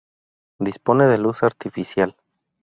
Dispone de luz artificial.